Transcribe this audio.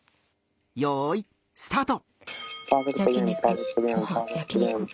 よいスタート。